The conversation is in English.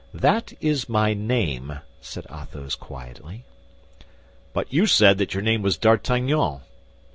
"That is my name," said Athos, quietly. "But you said that your name was D'Artagnan."